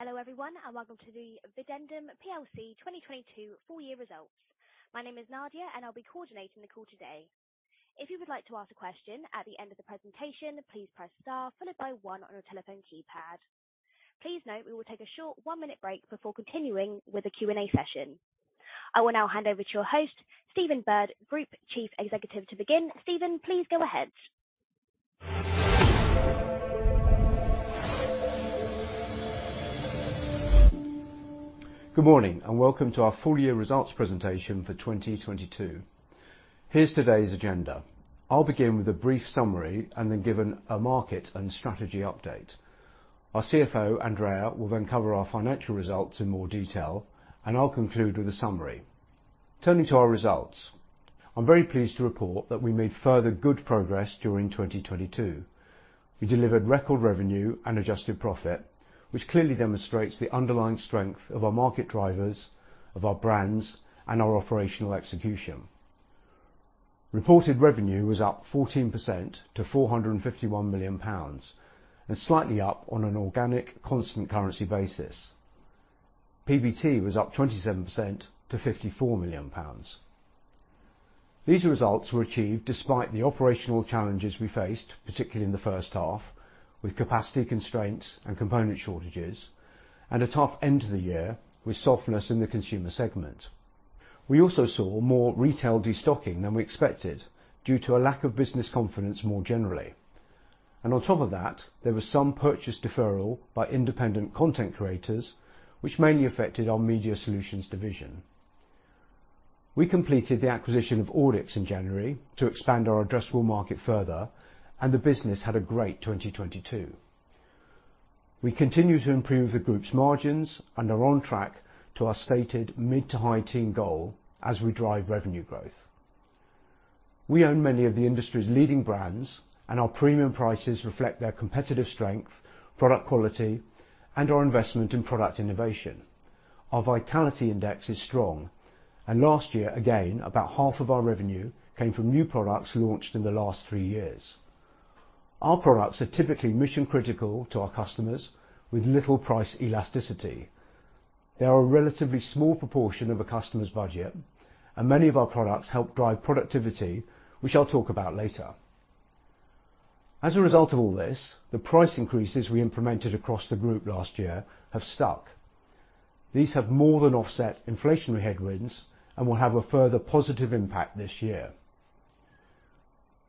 Hello everyone, welcome to the Videndum PLC 2022 full year results. My name is Nadia, and I'll be coordinating the call today. If you would like to ask a question at the end of the presentation, please press star followed by one on your telephone keypad. Please note we will take a short one-minute break before continuing with the Q&A session. I will now hand over to your host, Stephen Bird, Group Chief Executive, to begin. Stephen, please go ahead. Good morning, welcome to our full year results presentation for 2022. Here's today's agenda. I'll begin with a brief summary and then give a market and strategy update. Our CFO, Andrea, will then cover our financial results in more detail, and I'll conclude with a summary. Turning to our results. I'm very pleased to report that we made further good progress during 2022. We delivered record revenue and adjusted profit, which clearly demonstrates the underlying strength of our market drivers, of our brands, and our operational execution. Reported revenue was up 14% to 451 million pounds, and slightly up on an organic constant currency basis. PBT was up 27% to 54 million pounds. These results were achieved despite the operational challenges we faced, particularly in the H1, with capacity constraints and component shortages, and a tough end to the year with softness in the consumer segment. We also saw more retail destocking than we expected due to a lack of business confidence more generally. On top of that, there was some purchase deferral by independent content creators, which mainly affected our Media Solutions division. We completed the acquisition of Audix in January to expand our addressable market further, and the business had a great 2022. We continue to improve the group's margins and are on track to our stated mid-to-high teen goal as we drive revenue growth. We own many of the industry's leading brands, and our premium prices reflect their competitive strength, product quality, and our investment in product innovation. Our vitality index is strong, and last year, again, about half of our revenue came from new products launched in the last three years. Our products are typically mission-critical to our customers with little price elasticity. They are a relatively small proportion of a customer's budget, and many of our products help drive productivity, which I'll talk about later. As a result of all this, the price increases we implemented across the group last year have stuck. These have more than offset inflationary headwinds and will have a further positive impact this year.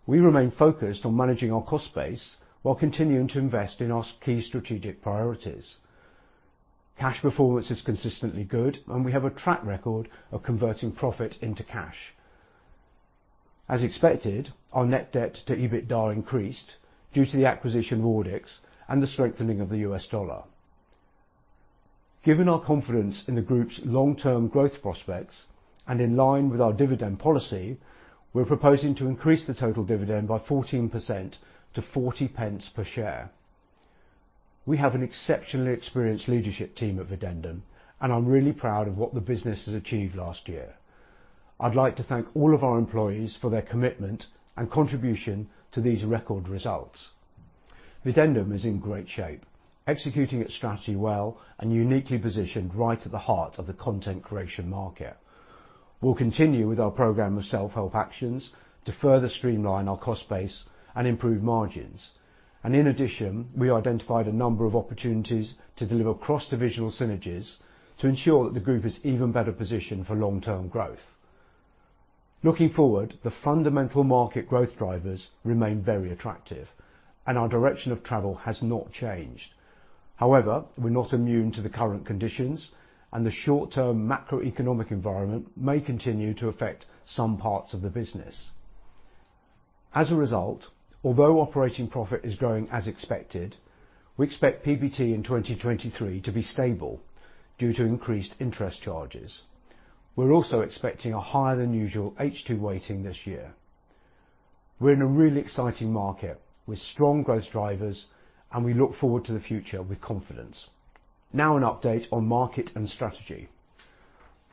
We remain focused on managing our cost base while continuing to invest in our key strategic priorities. Cash performance is consistently good, and we have a track record of converting profit into cash. As expected, our net debt to EBITDA increased due to the acquisition of Audix and the strengthening of the U.S. dollar. Given our confidence in the group's long-term growth prospects and in line with our dividend policy, we're proposing to increase the total dividend by 14% to 0.40 per share. We have an exceptionally experienced leadership team at Videndum, and I'm really proud of what the business has achieved last year. I'd like to thank all of our employees for their commitment and contribution to these record results. Videndum is in great shape, executing its strategy well and uniquely positioned right at the heart of the content creation market. We'll continue with our program of self-help actions to further streamline our cost base and improve margins. In addition, we identified a number of opportunities to deliver cross-divisional synergies to ensure that the group is even better positioned for long-term growth. Looking forward, the fundamental market growth drivers remain very attractive, and our direction of travel has not changed. However, we're not immune to the current conditions, and the short-term macroeconomic environment may continue to affect some parts of the business. As a result, although operating profit is growing as expected, we expect PBT in 2023 to be stable due to increased interest charges. We're also expecting a higher than usual H2 weighting this year. We're in a really exciting market with strong growth drivers, and we look forward to the future with confidence. Now an update on market and strategy.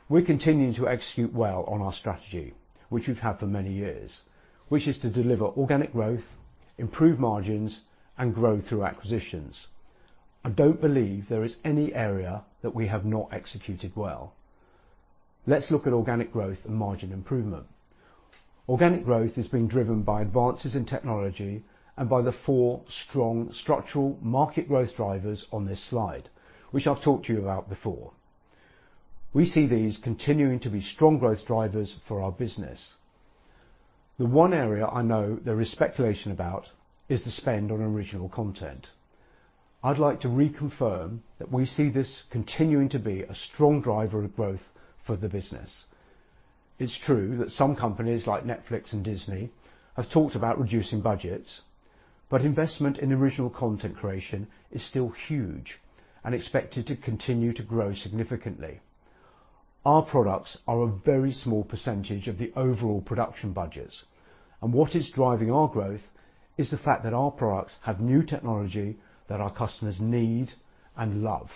We're continuing to execute well on our strategy, which we've had for many years, which is to deliver organic growth, improve margins, and grow through acquisitions. I don't believe there is any area that we have not executed well. Let's look at organic growth and margin improvement. Organic growth is being driven by advances in technology and by the four strong structural market growth drivers on this slide, which I've talked to you about before. We see these continuing to be strong growth drivers for our business. The one area I know there is speculation about is the spend on original content. I'd like to reconfirm that we see this continuing to be a strong driver of growth for the business. It's true that some companies like Netflix and Disney have talked about reducing budgets, but investment in original content creation is still huge and expected to continue to grow significantly. Our products are a very small percentage of the overall production budgets. What is driving our growth is the fact that our products have new technology that our customers need and love.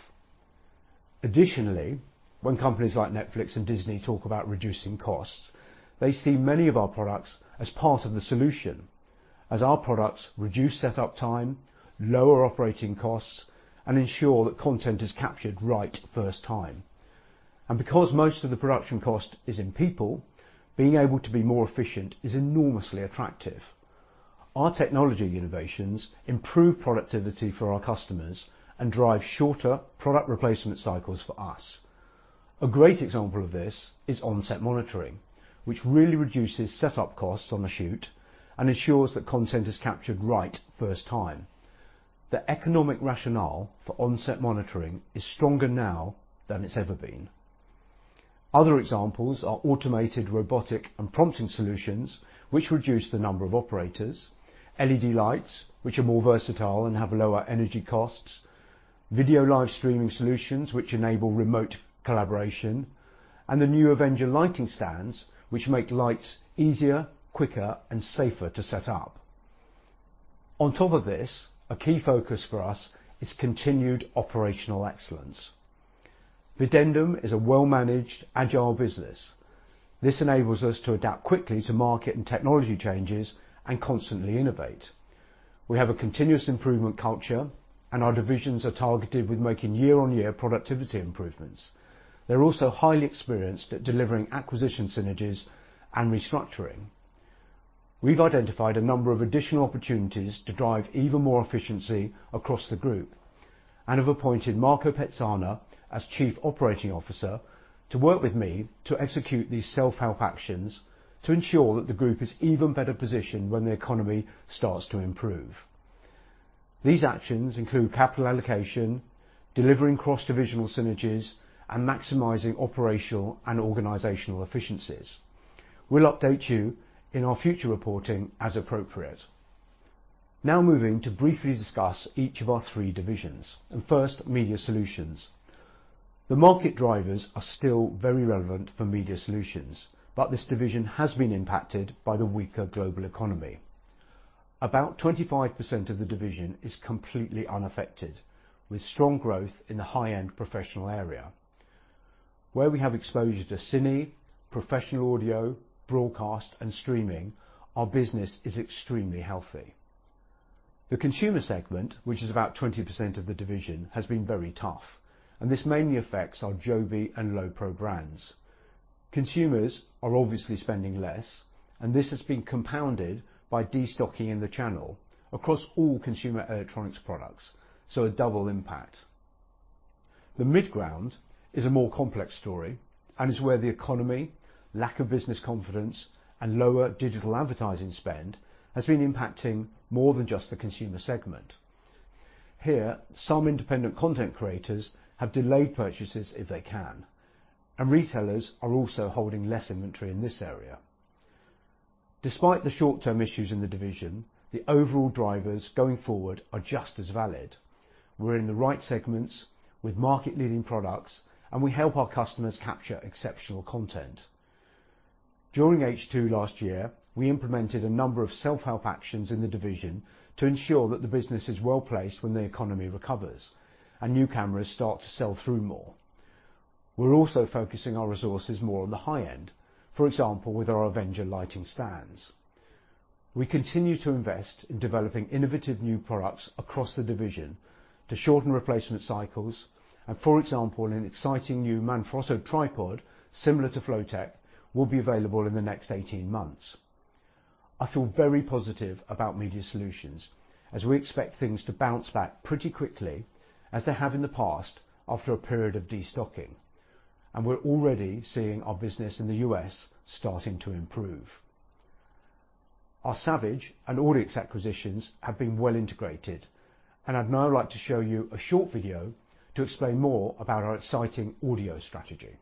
Additionally, when companies like Netflix and Disney talk about reducing costs, they see many of our products as part of the solution, as our products reduce setup time, lower operating costs, and ensure that content is captured right first time. Because most of the production cost is in people, being able to be more efficient is enormously attractive. Our technology innovations improve productivity for our customers and drive shorter product replacement cycles for us. A great example of this is onset monitoring, which really reduces setup costs on a shoot and ensures that content is captured right first time. The economic rationale for onset monitoring is stronger now than it's ever been. Other examples are automated robotic and prompting solutions, which reduce the number of operators, LED lights, which are more versatile and have lower energy costs, video live streaming solutions which enable remote collaboration, and the new Avenger lighting stands which make lights easier, quicker, and safer to set up. On top of this, a key focus for us is continued operational excellence. Videndum is a well-managed agile business. This enables us to adapt quickly to market and technology changes and constantly innovate. We have a continuous improvement culture. Our divisions are targeted with making year-on-year productivity improvements. They're also highly experienced at delivering acquisition synergies and restructuring. We've identified a number of additional opportunities to drive even more efficiency across the group and have appointed Marco Pezzana as chief operating officer to work with me to execute these self-help actions to ensure that the group is even better positioned when the economy starts to improve. These actions include capital allocation, delivering cross-divisional synergies, and maximizing operational and organizational efficiencies. We'll update you in our future reporting as appropriate. Moving to briefly discuss each of our three divisions, and first Media Solutions. The market drivers are still very relevant for Media Solutions. This division has been impacted by the weaker global economy. About 25% of the division is completely unaffected, with strong growth in the high-end professional area. Where we have exposure to cine, professional audio, broadcast, and streaming, our business is extremely healthy. The consumer segment, which is about 20% of the division, has been very tough, and this mainly affects our JOBY and Lowepro brands. Consumers are obviously spending less, and this has been compounded by destocking in the channel across all consumer electronics products, so a double impact. The mid-ground is a more complex story and is where the economy, lack of business confidence, and lower digital advertising spend has been impacting more than just the consumer segment. Here, some independent content creators have delayed purchases if they can, and retailers are also holding less inventory in this area. Despite the short-term issues in the division, the overall drivers going forward are just as valid. We're in the right segments with market leading products, and we help our customers capture exceptional content. During H2 last year, we implemented a number of self-help actions in the division to ensure that the business is well-placed when the economy recovers and new cameras start to sell through more. We're also focusing our resources more on the high end, for example, with our Avenger lighting stands. We continue to invest in developing innovative new products across the division to shorten replacement cycles and, for example, an exciting new Manfrotto tripod similar to flowtech will be available in the next 18 months. I feel very positive about Media Solutions as we expect things to bounce back pretty quickly as they have in the past after a period of destocking, and we're already seeing our business in the U.S. starting to improve. Our Savage and Audix acquisitions have been well integrated, and I'd now like to show you a short video to explain more about our exciting audio strategy.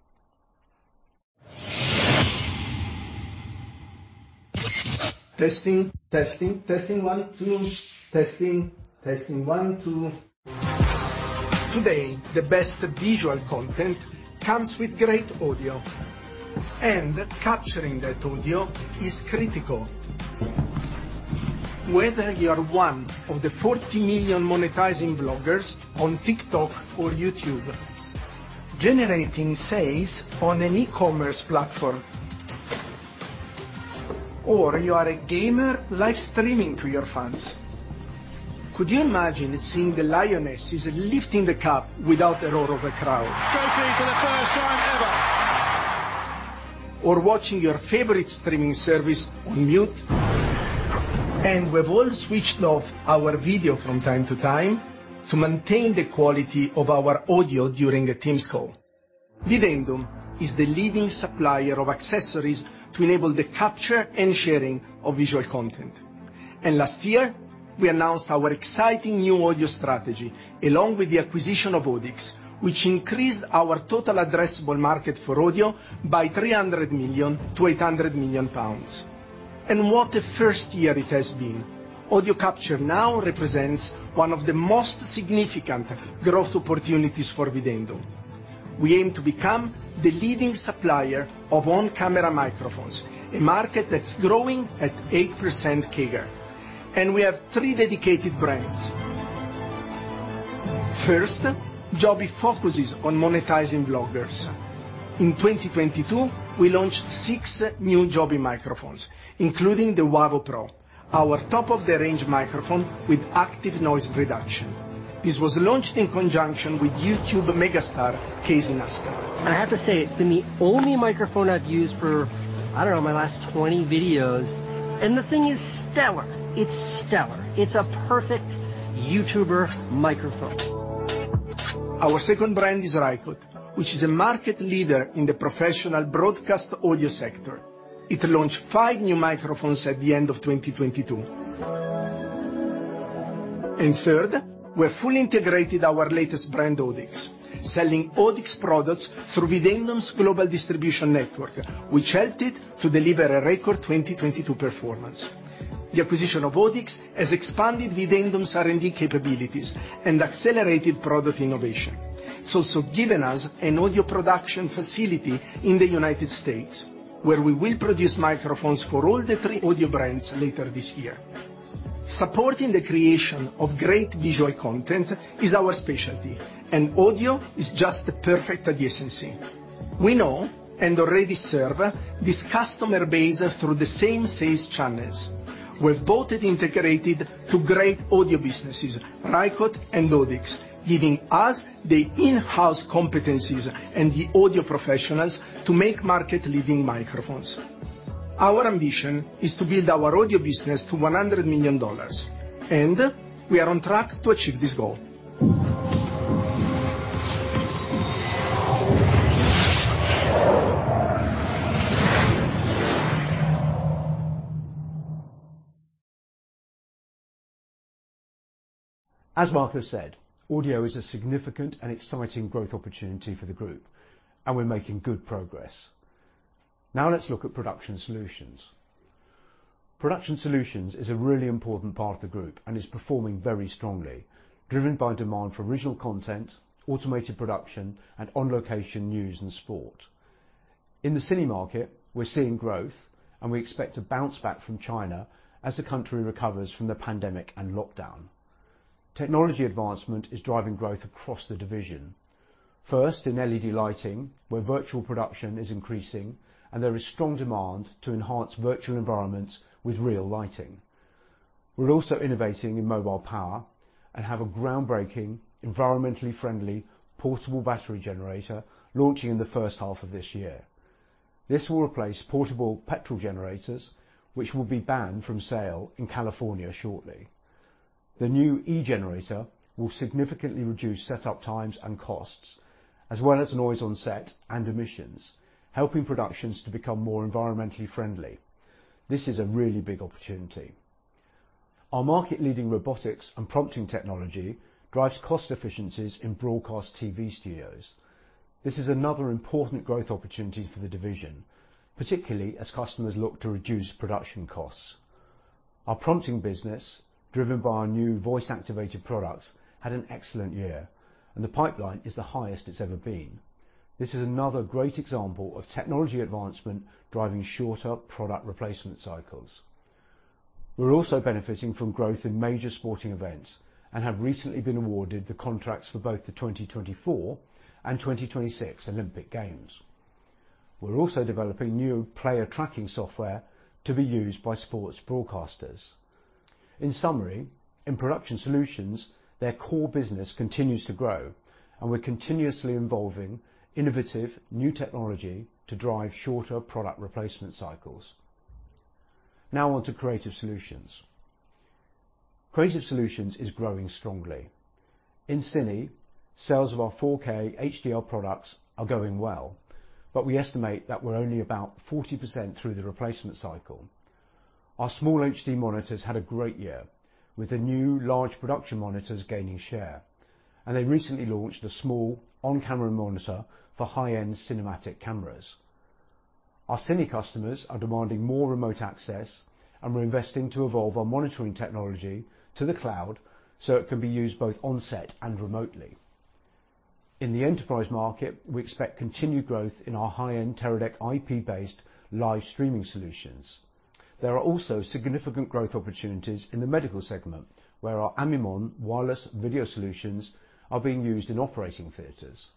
Testing, testing. Testing one, two. Testing. Testing one, two. Today, the best visual content comes with great audio and capturing that audio is critical. Whether you are one of the 40 million monetizing bloggers on TikTok or YouTube generating sales on an e-commerce platform, or you are a gamer live streaming to your fans, could you imagine seeing the Lionesses lifting the cup without the roar of a crowd? Trophy for the first time ever. Watching your favorite streaming service on mute? We've all switched off our video from time to time to maintain the quality of our audio during a Microsoft Teams call. Videndum is the leading supplier of accessories to enable the capture and sharing of visual content. Last year, we announced our exciting new audio strategy along with the acquisition of Audix, which increased our total addressable market for audio by 300 million to 800 million pounds. What a first year it has been. Audio capture now represents one of the most significant growth opportunities for Videndum. We aim to become the leading supplier of on-camera microphones, a market that's growing at 8% CAGR. We have three dedicated brands. First, JOBY focuses on monetizing bloggers. In 2022, we launched six new JOBY microphones, including the Wavo PRO, our top of the range microphone with active noise reduction. This was launched in conjunction with YouTube megastar Casey Neistat. I have to say, it's been the only microphone I've used for, I don't know, my last 20 videos, and the thing is stellar. It's stellar. It's a perfect YouTuber microphone. Our second brand is Rycote, which is a market leader in the professional broadcast audio sector. It launched five new microphones at the end of 2022. Third, we have fully integrated our latest brand, Audix, selling Audix products through Videndum's global distribution network, which helped it to deliver a record 2022 performance. The acquisition of Audix has expanded Videndum R&D capabilities and accelerated product innovation. It's also given us an audio production facility in the United States, where we will produce microphones for all the three audio brands later this year. Supporting the creation of great visual content is our specialty, audio is just the perfect adjacency. We know and already serve this customer base through the same sales channels. We've both integrated two great audio businesses, Rycote and Audix, giving us the in-house competencies and the audio professionals to make market leading microphones. Our ambition is to build our audio business to $100 million, and we are on track to achieve this goal. As Marco said, audio is a significant and exciting growth opportunity for the group, and we're making good progress. Let's look at Production Solutions. Production Solutions is a really important part of the group and is performing very strongly, driven by demand for original content, automated production, and on location news and sport. In the cine market, we're seeing growth and we expect to bounce back from China as the country recovers from the pandemic and lockdown. Technology advancement is driving growth across the division, first in LED lighting, where virtual production is increasing and there is strong demand to enhance virtual environments with real lighting. We're also innovating in mobile power and have a groundbreaking, environmentally friendly portable battery generator launching in the H1 of this year. This will replace portable petrol generators, which will be banned from sale in California shortly. The new e-generator will significantly reduce setup times and costs, as well as noise on set and emissions, helping productions to become more environmentally friendly. This is a really big opportunity. Our market leading robotics and prompting technology drives cost efficiencies in broadcast TV studios. This is another important growth opportunity for the division, particularly as customers look to reduce production costs. Our prompting business, driven by our new voice activated products, had an excellent year, and the pipeline is the highest it's ever been. This is another great example of technology advancement driving shorter product replacement cycles. We're also benefiting from growth in major sporting events and have recently been awarded the contracts for both the 2024 and 2026 Olympic Games. We're also developing new player tracking software to be used by sports broadcasters. In summary, in Production Solutions, their core business continues to grow, and we're continuously involving innovative new technology to drive shorter product replacement cycles. On to Creative Solutions. Creative Solutions is growing strongly. In cine, sales of our 4K HDR products are going well. We estimate that we're only about 40% through the replacement cycle. Our SmallHD monitors had a great year with the new large production monitors gaining share. They recently launched a small on-camera monitor for high-end cinematic cameras. Our cine customers are demanding more remote access. We're investing to evolve our monitoring technology to the cloud so it can be used both on-set and remotely. In the enterprise market, we expect continued growth in our high-end Teradek IP-based live streaming solutions. There are also significant growth opportunities in the medical segment where our Amimon wireless video solutions are being used in operating theaters.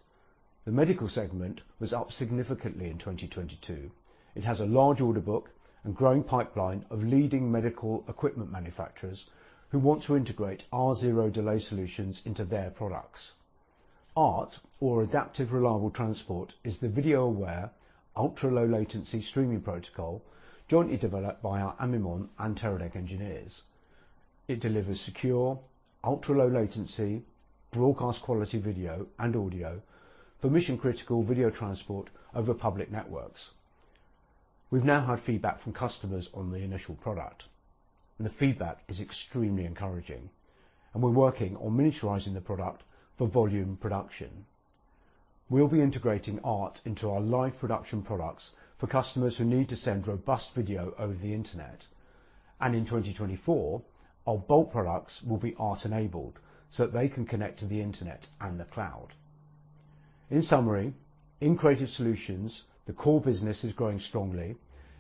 The medical segment was up significantly in 2022. It has a large order book and growing pipeline of leading medical equipment manufacturers who want to integrate our zero delay solutions into their products. ART, or Adaptive Reliable Transport, is the video-aware, ultra-low latency streaming protocol jointly developed by our Amimon and Teradek engineers. It delivers secure, ultra-low latency, broadcast quality video and audio for mission critical video transport over public networks. We've now had feedback from customers on the initial product and the feedback is extremely encouraging and we're working on miniaturizing the product for volume production. We'll be integrating ART into our live production products for customers who need to send robust video over the internet. In 2024, our Bolt products will be ART enabled so that they can connect to the internet and the cloud. In summary, in Creative Solutions, the core business is growing strongly,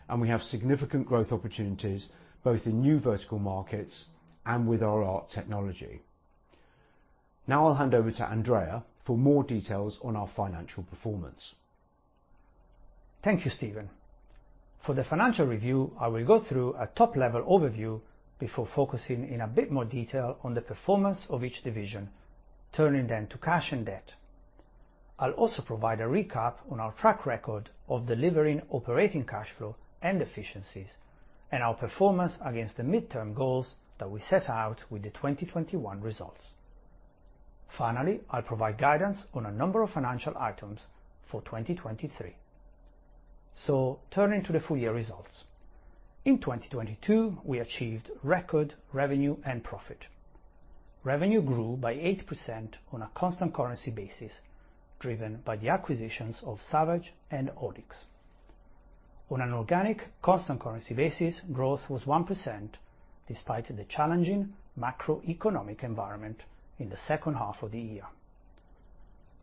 and we have significant growth opportunities both in new vertical markets and with our ART technology. Now I'll hand over to Andrea for more details on our financial performance. Thank you, Stephen. For the financial review, I will go through a top-level overview before focusing in a bit more detail on the performance of each division, turning then to cash and debt. I'll also provide a recap on our track record of delivering operating cash flow and efficiencies and our performance against the midterm goals that we set out with the 2021 results. Finally, I'll provide guidance on a number of financial items for 2023. Turning to the full year results. In 2022, we achieved record revenue and profit. Revenue grew by 8% on a constant currency basis, driven by the acquisitions of Savage and Audix. On an organic constant currency basis, growth was 1% despite the challenging macroeconomic environment in the H2 of the year.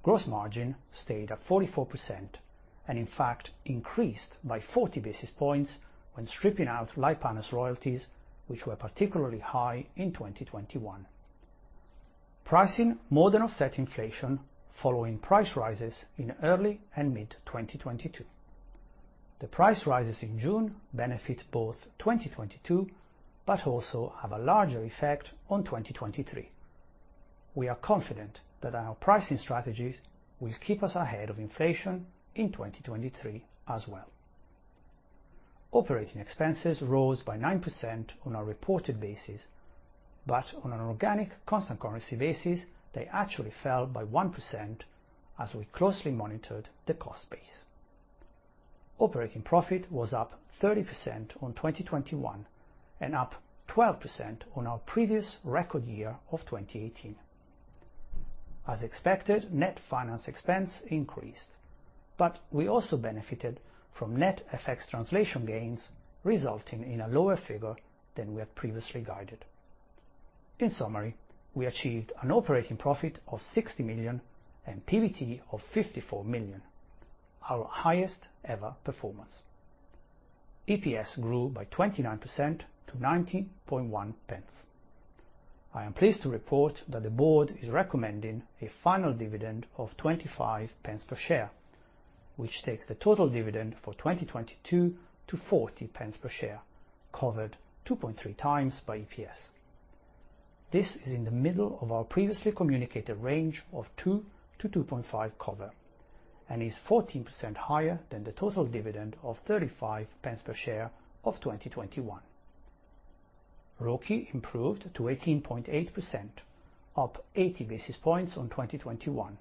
Gross margin stayed at 44% and in fact increased by 40 basis points when stripping out Litepanels royalties, which were particularly high in 2021. Pricing more than offset inflation following price rises in early and mid-2022. The price rises in June benefit both 2022 but also have a larger effect on 2023. We are confident that our pricing strategies will keep us ahead of inflation in 2023 as well. Operating expenses rose by 9% on a reported basis, but on an organic constant currency basis, they actually fell by 1% as we closely monitored the cost base. Operating profit was up 30% on 2021 and up 12% on our previous record year of 2018. As expected, net finance expense increased, but we also benefited from net FX translation gains, resulting in a lower figure than we had previously guided. In summary, we achieved an operating profit of 60 million and PBT of 54 million, our highest ever performance. EPS grew by 29% to 0.901. I am pleased to report that the board is recommending a final dividend of 0.25 per share, which takes the total dividend for 2022 to 0.40 per share, covered 2.3x by EPS. This is in the middle of our previously communicated range of 2-2.5 cover and is 14% higher than the total dividend of 0.35 per share of 2021. ROCE improved to 18.8%, up 80 basis points on 2021,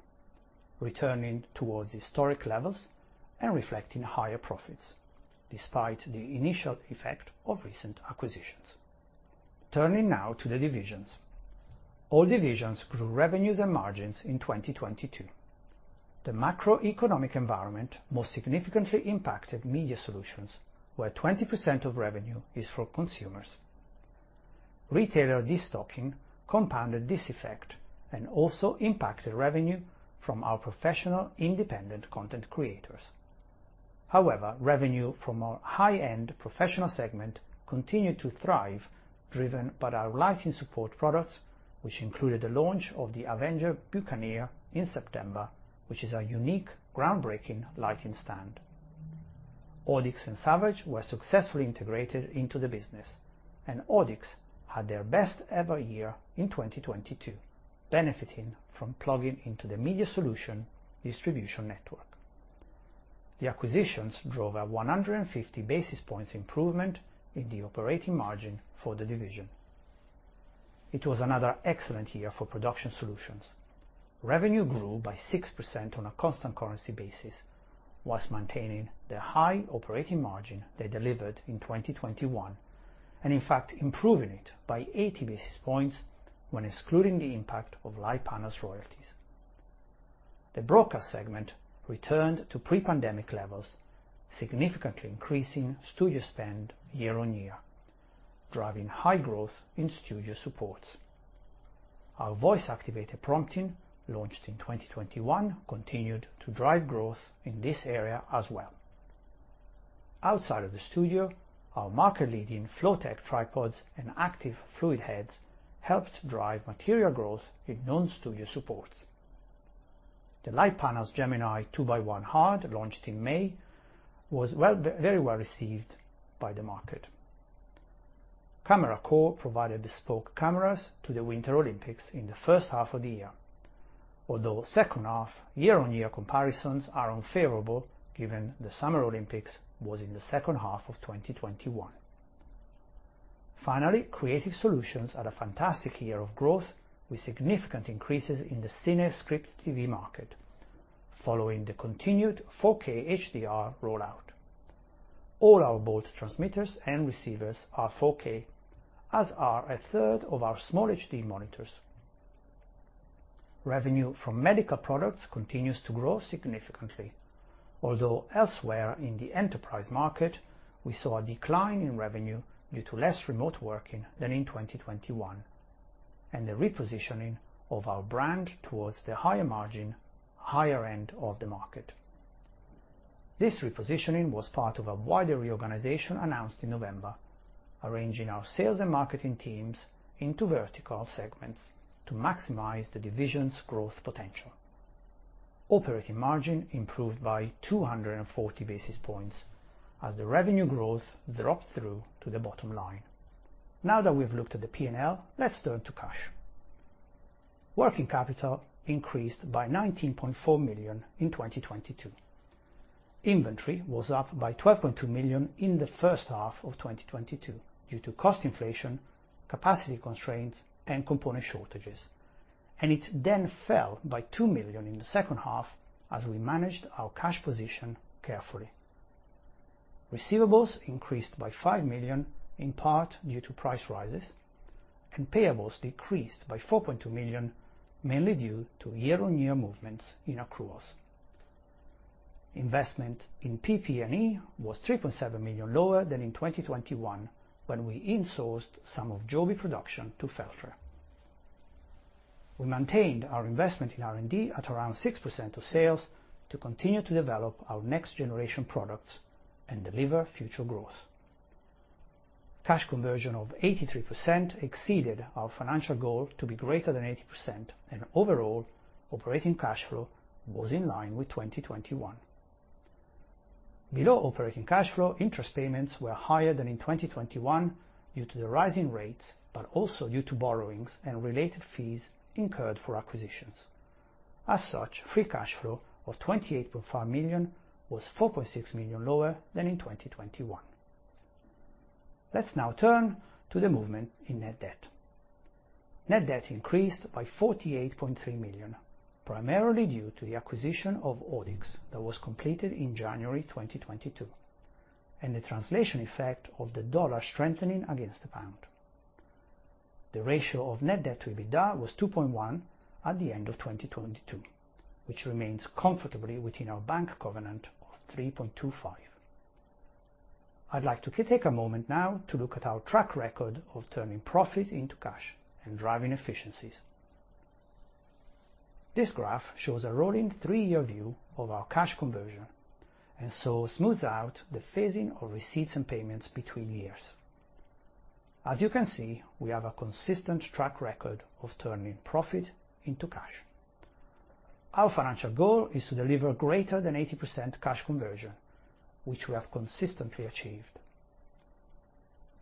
returning towards historic levels and reflecting higher profits despite the initial effect of recent acquisitions. Turning now to the divisions. All divisions grew revenues and margins in 2022. The macroeconomic environment most significantly impacted Media Solutions, where 20% of revenue is for consumers. Retailer destocking compounded this effect and also impacted revenue from our professional independent content creators. Revenue from our high-end professional segment continued to thrive, driven by our lighting support products, which included the launch of the Avenger Buccaneer in September, which is a unique, groundbreaking lighting stand. Audix and Savage were successfully integrated into the business. Audix had their best ever year in 2022, benefiting from plugging into the Media Solutions distribution network. The acquisitions drove a 150 basis points improvement in the operating margin for the division. It was another excellent year for Production Solutions. Revenue grew by 6% on a constant currency basis whilst maintaining the high operating margin they delivered in 2021, and in fact, improving it by 80 basis points when excluding the impact of Litepanels royalties. The broadcast segment returned to pre-pandemic levels, significantly increasing studio spend year-on-year, driving high growth in studio supports. Our voice-activated prompting, launched in 2021, continued to drive growth in this area as well. Outside of the studio, our market-leading flowtech tripods and active fluid heads helped drive material growth in non-studio supports. The Litepanels Gemini 2x1 Hard, launched in May, was very well received by the market. Camera Corps provided bespoke cameras to the Winter Olympics in the H1 of the year. Although H2, year-on-year comparisons are unfavorable given the Summer Olympics was in the H2 of 2021. Finally, Creative Solutions had a fantastic year of growth with significant increases in the cine/script TV market following the continued 4K HDR rollout. All our Bolt transmitters and receivers are 4K, as are 1/3 of our SmallHD monitors. Revenue from medical products continues to grow significantly, although elsewhere in the enterprise market we saw a decline in revenue due to less remote working than in 2021. The repositioning of our brand towards the higher margin, higher end of the market. This repositioning was part of a wider reorganization announced in November, arranging our sales and marketing teams into vertical segments to maximize the division's growth potential. Operating margin improved by 240 basis points as the revenue growth dropped through to the bottom line. Now that we've looked at the P&L, let's turn to cash. Working capital increased by 19.4 million in 2022. Inventory was up by 12.2 million in the H1 of 2022 due to cost inflation, capacity constraints, and component shortages. It then fell by two million in the H2 as we managed our cash position carefully. Receivables increased by five million, in part due to price rises, and payables decreased by 4.2 million, mainly due to year-on-year movements in accruals. Investment in PP&E was 3.7 million lower than in 2021, when we insourced some of JOBY production to Feltre. We maintained our investment in R&D at around 6% of sales to continue to develop our next generation products and deliver future growth. Cash conversion of 83% exceeded our financial goal to be greater than 80%, and overall operating cash flow was in line with 2021. Below operating cash flow, interest payments were higher than in 2021 due to the rising rates, but also due to borrowings and related fees incurred for acquisitions. Free cash flow of 28.5 million was 4.6 million lower than in 2021. Let's now turn to the movement in net debt. Net debt increased by 48.3 million, primarily due to the acquisition of Audix that was completed in January 2022, and the translation effect of the dollar strengthening against the pound. The ratio of net debt to EBITDA was 2.1 at the end of 2022, which remains comfortably within our bank covenant of 3.25. I'd like to take a moment now to look at our track record of turning profit into cash and driving efficiencies. This graph shows a rolling three-year view of our cash conversion and so smooths out the phasing of receipts and payments between years. As you can see, we have a consistent track record of turning profit into cash. Our financial goal is to deliver greater than 80% cash conversion, which we have consistently achieved.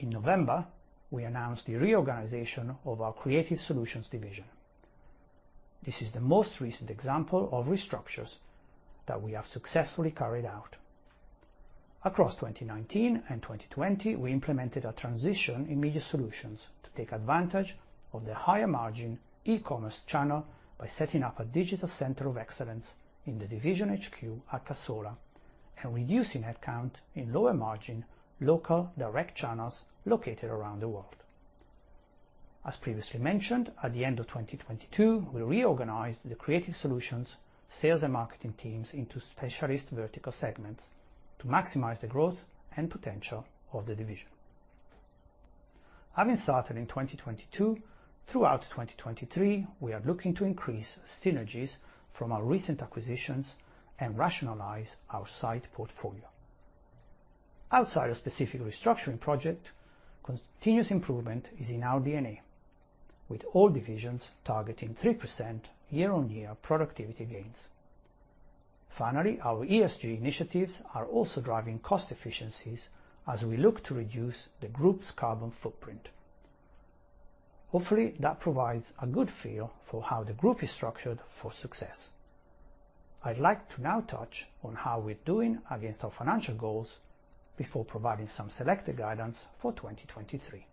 In November, we announced the reorganization of our Creative Solutions division. This is the most recent example of restructures that we have successfully carried out. Across 2019 and 2020, we implemented a transition in Media Solutions to take advantage of the higher margin e-commerce channel by setting up a digital center of excellence in the division HQ at Cassola and reducing headcount in lower margin local direct channels located around the world. As previously mentioned, at the end of 2022, we reorganized the Creative Solutions sales and marketing teams into specialist vertical segments to maximize the growth and potential of the division. Having started in 2022, throughout 2023, we are looking to increase synergies from our recent acquisitions and rationalize our site portfolio. Outside a specific restructuring project, continuous improvement is in our DNA, with all divisions targeting 3% year-on-year productivity gains. Finally, our ESG initiatives are also driving cost efficiencies as we look to reduce the group's carbon footprint. Hopefully, that provides a good feel for how the group is structured for success. I'd like to now touch on how we're doing against our financial goals before providing some selected guidance for 2023.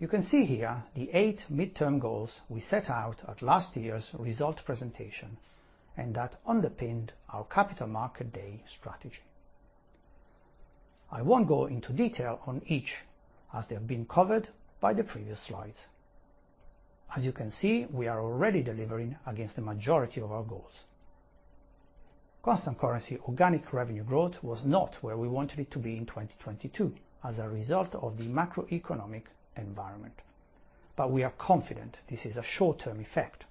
You can see here the eight midterm goals we set out at last year's result presentation and that underpinned our capital market day strategy. I won't go into detail on each, as they have been covered by the previous slides. As you can see, we are already delivering against the majority of our goals. Constant currency organic revenue growth was not where we wanted it to be in 2022 as a result of the macroeconomic environment, but we are confident this is a short-term effect.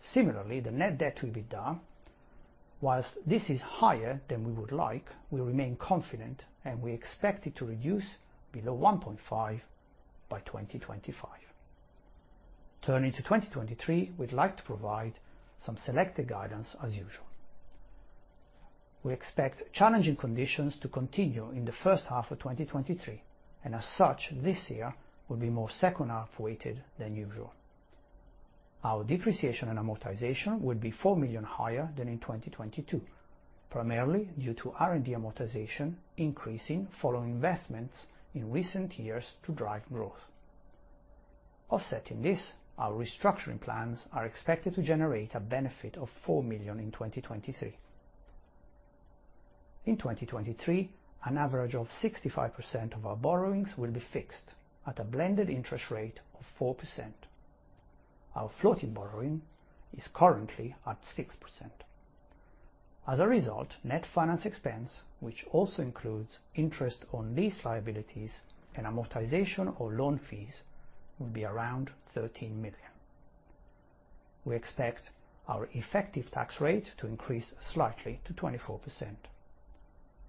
Similarly, the net debt to EBITDA, whilst this is higher than we would like, we remain confident and we expect it to reduce below 1.5 by 2025. Turning to 2023, we'd like to provide some selected guidance as usual. We expect challenging conditions to continue in the H1 of 2023, and as such, this year will be more H2 weighted than usual. Our depreciation and amortization will be four million higher than in 2022, primarily due to R&D amortization increasing following investments in recent years to drive growth. Offsetting this, our restructuring plans are expected to generate a benefit of four million in 2023. In 2023, an average of 65% of our borrowings will be fixed at a blended interest rate of 4%. Our floating borrowing is currently at 6%. As a result, net finance expense, which also includes interest on lease liabilities and amortization or loan fees, will be around 13 million. We expect our effective tax rate to increase slightly to 24%.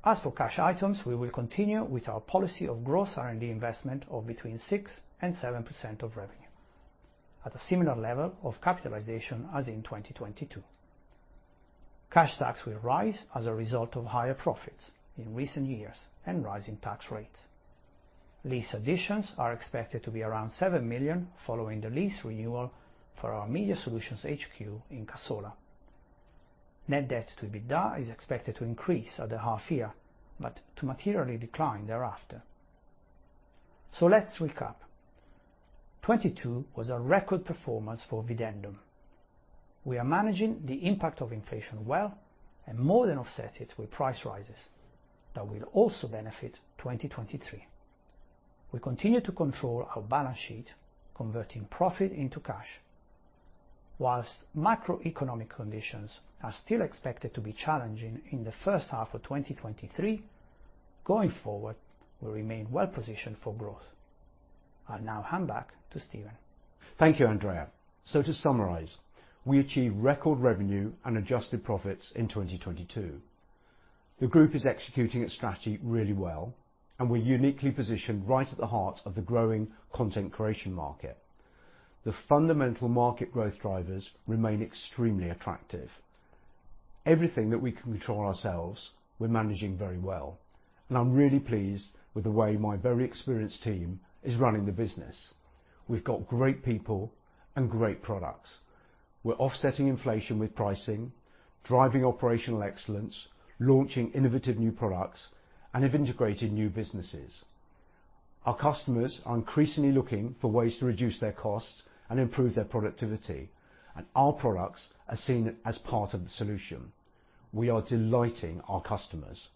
As for cash items, we will continue with our policy of gross R&D investment of between 6% and 7% of revenue at a similar level of capitalization as in 2022. Cash tax will rise as a result of higher profits in recent years and rising tax rates. Lease additions are expected to be around seven million following the lease renewal for our Media Solutions HQ in Cassola. Net debt to EBITDA is expected to increase at the half year but to materially decline thereafter. Let's recap. 2022 was a record performance for Videndum. We are managing the impact of inflation well and more than offset it with price rises that will also benefit 2023. We continue to control our balance sheet, converting profit into cash. Whilst macroeconomic conditions are still expected to be challenging in the H1 of 2023, going forward, we remain well positioned for growth. I'll now hand back to Stephen. Thank you, Andrea. To summarize, we achieved record revenue and adjusted profits in 2022. The group is executing its strategy really well, and we're uniquely positioned right at the heart of the growing content creation market. The fundamental market growth drivers remain extremely attractive. Everything that we can control ourselves, we're managing very well, and I'm really pleased with the way my very experienced team is running the business. We've got great people and great products. We're offsetting inflation with pricing, driving operational excellence, launching innovative new products, and have integrated new businesses. Our customers are increasingly looking for ways to reduce their costs and improve their productivity, and our products are seen as part of the solution. We are delighting our customers.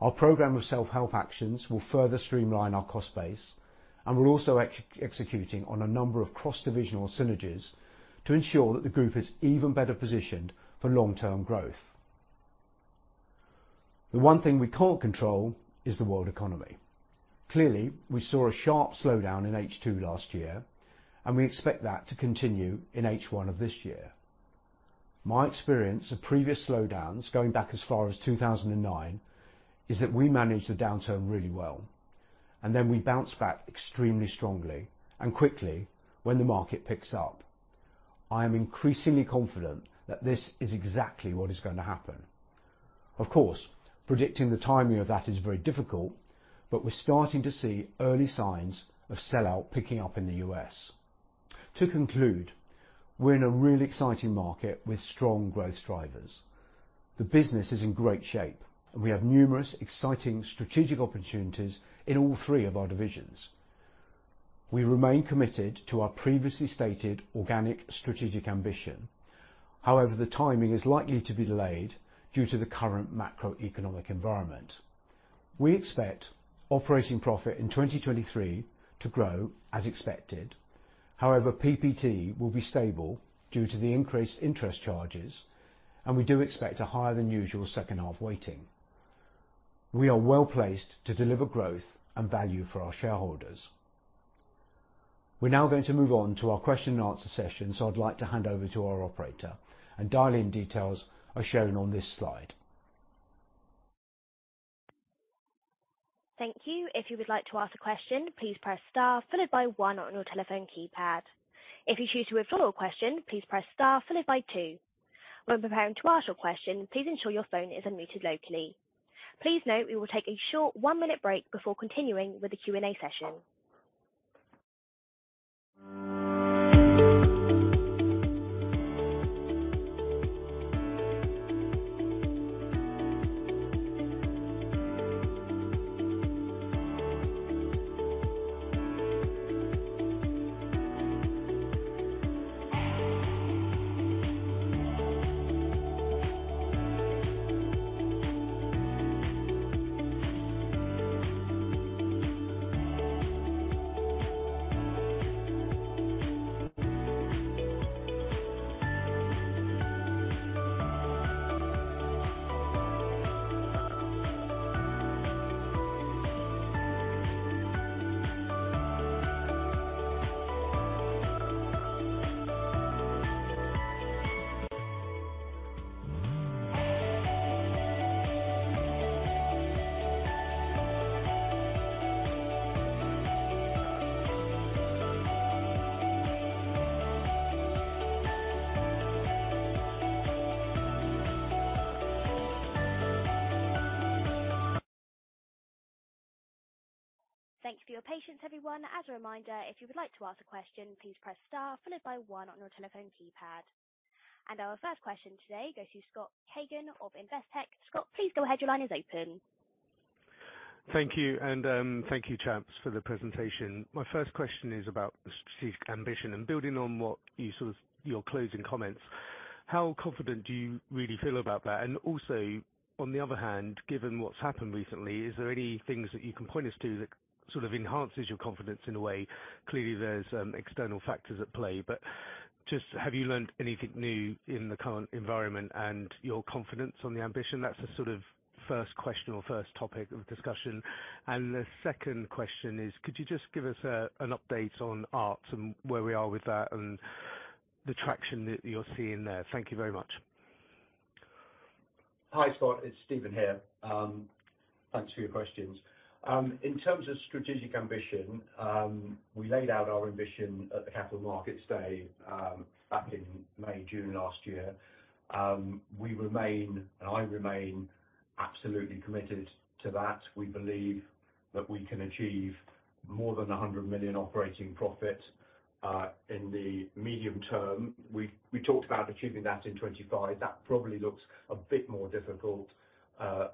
Our program of self-help actions will further streamline our cost base, and we're also executing on a number of cross-divisional synergies to ensure that the group is even better positioned for long-term growth. The one thing we can't control is the world economy. Clearly, we saw a sharp slowdown in H2 last year, and we expect that to continue in H1 of this year. My experience of previous slowdowns going back as far as 2009 is that we manage the downturn really well, and then we bounce back extremely strongly and quickly when the market picks up. I am increasingly confident that this is exactly what is gonna happen. Of course, predicting the timing of that is very difficult, but we're starting to see early signs of sell-out picking up in the U.S. To conclude, we're in a really exciting market with strong growth drivers. The business is in great shape. We have numerous exciting strategic opportunities in all three of our divisions. We remain committed to our previously stated organic strategic ambition. However, the timing is likely to be delayed due to the current macroeconomic environment. We expect operating profit in 2023 to grow as expected. However, PBT will be stable due to the increased interest charges, and we do expect a higher than usual H2 waiting. We are well placed to deliver growth and value for our shareholders. We're now going to move on to our question and answer session, so I'd like to hand over to our operator, and dial-in details are shown on this slide. Thank you. If you would like to ask a question, please press star followed by one on your telephone keypad. If you choose to withdraw your question, please press star followed by two. When preparing to ask your question, please ensure your phone is unmuted locally. Please note we will take a short one-minute break before continuing with the Q&A session. Thank you for your patience, everyone. As a reminder, if you would like to ask a question, please press star followed by one on your telephone keypad. Our first question today goes to Sash Tusa of Investec. Scott, please go ahead. Your line is open. Thank you. Thank you champs for the presentation. My first question is about the strategic ambition and building on your closing comments. How confident do you really feel about that? Also, on the other hand, given what's happened recently, is there any things that you can point us to that sort of enhances your confidence in a way? Clearly, there's external factors at play, but... Just have you learned anything new in the current environment and your confidence on the ambition? That's the sort of first question or first topic of discussion. The second question is, could you just give us an update on ART and where we are with that and the traction that you're seeing there? Thank you very much. Hi, Scott, it's Stephen here. Thanks for your questions. In terms of strategic ambition, we laid out our ambition at the capital markets day back in May, June last year. We remain, and I remain absolutely committed to that. We believe that we can achieve more than 100 million operating profit in the medium term. We talked about achieving that in 2025. That probably looks a bit more difficult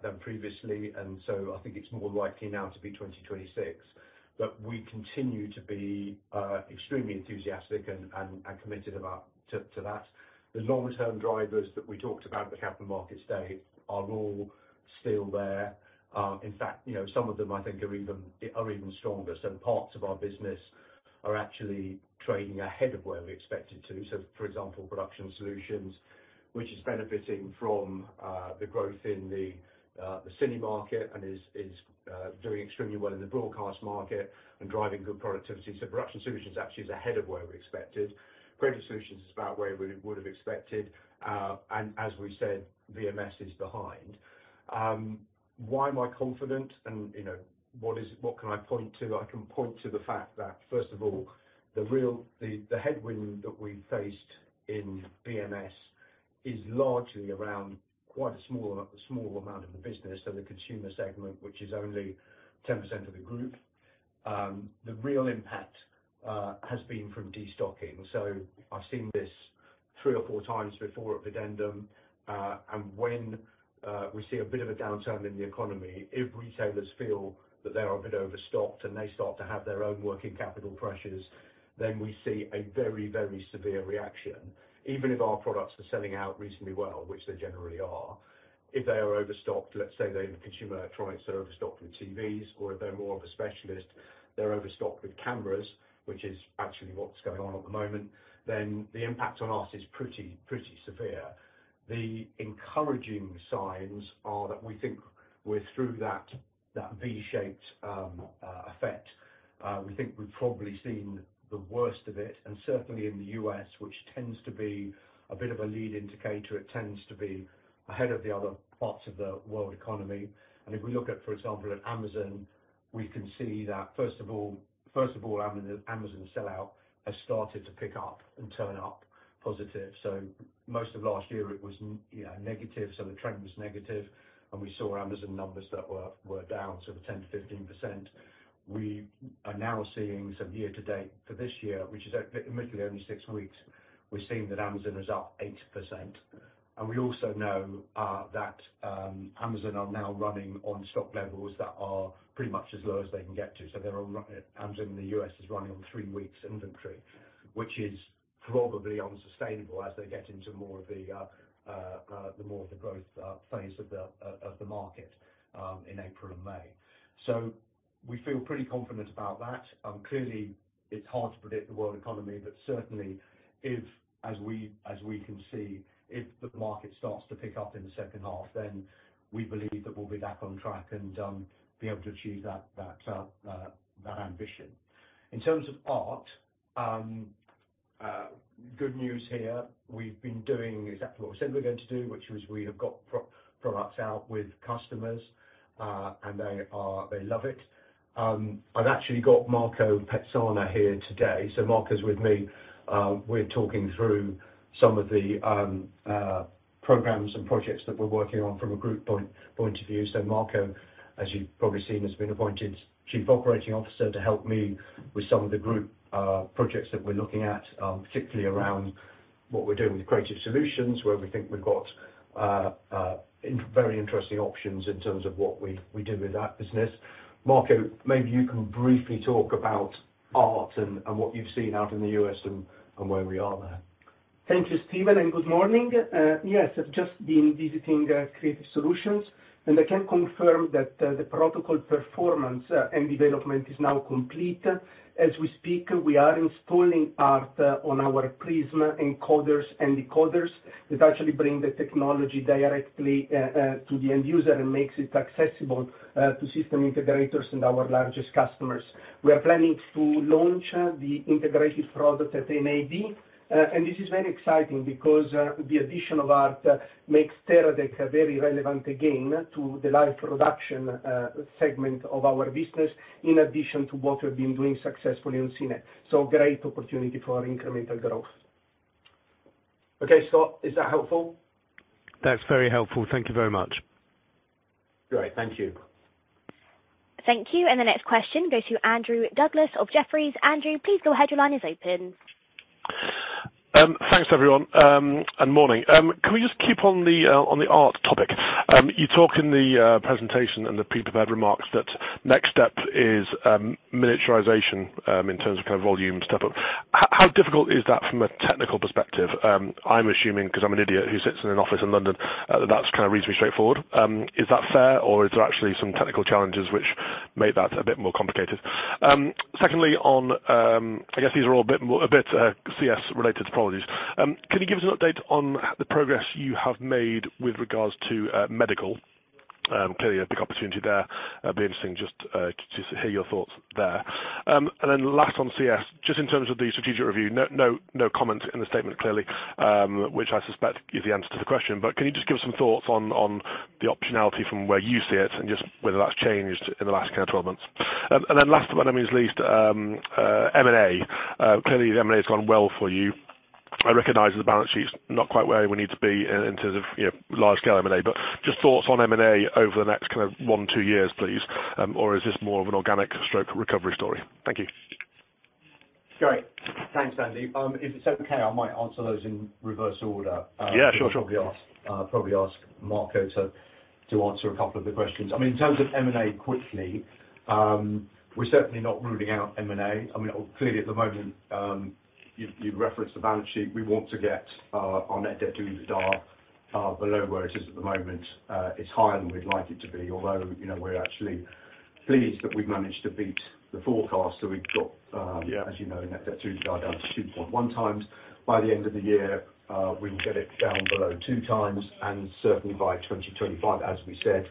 than previously. So I think it's more likely now to be 2026. We continue to be extremely enthusiastic and committed to that. The long-term drivers that we talked about at the capital markets day are all still there. In fact, you know, some of them I think are even, are even stronger. Some parts of our business are actually trading ahead of where we expected to. For example, Production Solutions, which is benefiting from the growth in the cine market and is doing extremely well in the broadcast market and driving good productivity. Production Solutions actually is ahead of where we expected. Creative Solutions is about where we would have expected. As we said, BMS is behind. Why am I confident? You know, what can I point to? I can point to the fact that first of all, the headwind that we faced in BMS is largely around quite a small amount of the business. The consumer segment, which is only 10% of the group. The real impact has been from destocking. I've seen this three or four times before at Videndum. When we see a bit of a downturn in the economy, if retailers feel that they are a bit overstocked and they start to have their own working capital pressures, then we see a very, very severe reaction. Even if our products are selling out reasonably well, which they generally are, if they are overstocked, let's say they're in consumer electronics, they're overstocked with TVs, or if they're more of a specialist, they're overstocked with cameras, which is actually what's going on at the moment, then the impact on us is pretty severe. The encouraging signs are that we think we're through that V-shaped effect. We think we've probably seen the worst of it, and certainly in the U.S., which tends to be a bit of a lead indicator. It tends to be ahead of the other parts of the world economy. If we look at, for example, at Amazon, we can see that first of all, Amazon sellout has started to pick up and turn up positive. Most of last year it was, you know, negative, so the trend was negative, and we saw Amazon numbers that were down sort of 10%-15%. We are now seeing some year to date for this year, which is admittedly only six weeks. We're seeing that Amazon is up 8%. We also know that Amazon are now running on stock levels that are pretty much as low as they can get to. They're all Amazon in the U.S. is running on three weeks inventory, which is probably unsustainable as they get into more of the more of the growth phase of the market in April and May. We feel pretty confident about that. Clearly it's hard to predict the world economy, but certainly if, as we, as we can see, if the market starts to pick up in the H2, then we believe that we'll be back on track and be able to achieve that ambition. In terms of ART, good news here. We've been doing exactly what we said we're going to do, which is we have got pro-products out with customers, and they love it. I've actually got Marco Pezzana here today. Marco's with me. We're talking through some of the programs and projects that we're working on from a group point of view. Marco, as you've probably seen, has been appointed Chief Operating Officer to help me with some of the group projects that we're looking at, particularly around what we're doing with Creative Solutions, where we think we've got very interesting options in terms of what we do with that business. Marco, maybe you can briefly talk about ART and what you've seen out in the U.S. and where we are there. Thank you, Stephen, and good morning. Yes, I've just been visiting Creative Solutions, and I can confirm that the protocol performance and development is now complete. As we speak, we are installing ART on our Prism encoders and decoders that actually bring the technology directly to the end user and makes it accessible to system integrators and our largest customers. We are planning to launch the integrated product at NAB. This is very exciting because the addition of ART makes Teradek very relevant again to the live production segment of our business, in addition to what we've been doing successfully on Cine. Great opportunity for our incremental growth. Okay, Scott, is that helpful? That's very helpful. Thank you very much. Great. Thank you. Thank you. The next question goes to Andrew Douglas of Jefferies. Andrew, please go ahead. Your line is open. Thanks, everyone, and morning. Can we just keep on the ART topic? You talk in the presentation and the prepared remarks that next step is miniaturization in terms of kind of volume stuff. How difficult is that from a technical perspective? I'm assuming because I'm an idiot who sits in an office in London, that's kind of reasonably straightforward. Is that fair or are there actually some technical challenges which make that a bit more complicated? Secondly, on... I guess these are all a bit CS related. Apologies. Can you give us an update on the progress you have made with regards to medical? Clearly a big opportunity there. Be interesting just to hear your thoughts there. Last on CS, just in terms of the strategic review. No comment in the statement, clearly, which I suspect is the answer to the question. Can you just give us some thoughts on the optionality from where you see it and just whether that's changed in the last kind of 12 months? Last but not means least, M&A. Clearly, the M&A has gone well for you. I recognize the balance sheet's not quite where we need to be in terms of, you know, large scale M&A, but just thoughts on M&A over the next kind of one, two years, please. Is this more of an organic stroke recovery story? Thank you. Great. Thanks, Andy. If it's okay, I might answer those in reverse order. Yeah, sure. I'll probably ask, probably ask Marco to answer a couple of the questions. I mean, in terms of M&A, quickly, we're certainly not ruling out M&A. I mean, clearly at the moment, you've referenced the balance sheet. We want to get our net debt to EBITDA below where it is at the moment. It's higher than we'd like it to be, although, you know, we're actually pleased that we've managed to beat the forecast. We've got. Yeah. As you know, net debt to EBITDA down to 2.1x. By the end of the year, we will get it down below two times, certainly by 2025, as we said,